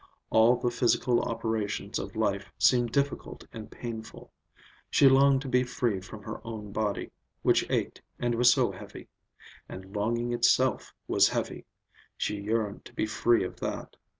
All the physical operations of life seemed difficult and painful. She longed to be free from her own body, which ached and was so heavy. And longing itself was heavy: she yearned to be free of that.